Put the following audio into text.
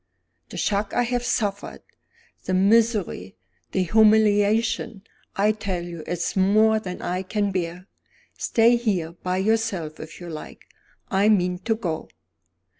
The shock I have suffered, the misery, the humiliation I tell you it's more than I can bear. Stay here by yourself if you like; I mean to go."